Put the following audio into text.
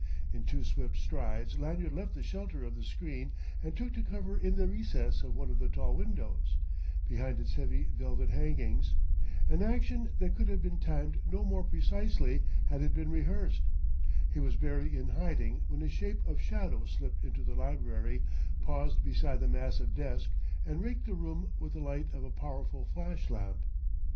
In two swift strides Lanyard left the shelter of the screen and took to cover in the recess of one of the tall windows, behind its heavy velvet hangings: an action that could have been timed no more precisely had it been rehearsed; he was barely in hiding when a shape of shadow slipped into the library, paused beside the massive desk, and raked the room with the light of a powerful flash lamp.